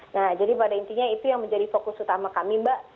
nah jadi pada intinya itu yang menjadi fokus utama kami mbak